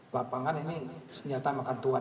lapangan ini senjata makan tuan